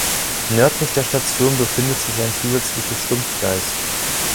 Nördlich der Station befindet sich ein zusätzliches Stumpfgleis.